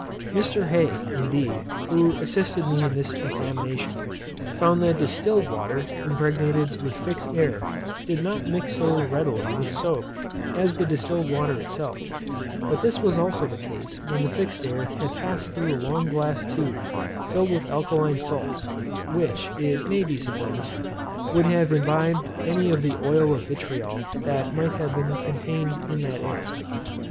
Mr. Hey, indeed, who assisted me in this examination, found that distilled water, impregnated with fixed air, did not mix so readily with soap as the distilled water itself; but this was also the case when the fixed air had passed through a long glass tube filled with alkaline salts, which, it may be supposed, would have imbibed any of the oil of vitriol that might have been contained in that air.